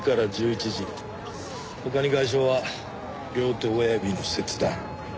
他に外傷は両手親指の切断。